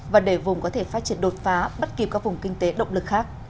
và để vùng có thể phát triển đột phá bắt kịp các vùng kinh tế động lực khác